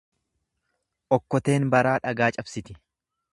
Okkoteen baraa dhagaa cabsiti.